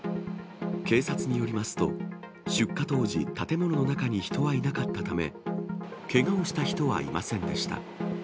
警察によりますと、出火当時、建物の中に人はいなかったため、けがをした人はいませんでした。